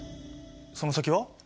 その先は？